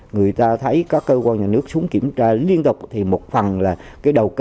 người ta thấy có cơ quan nhà nước xuống kiểm tra liên tục thì một phần là cái đầu cơ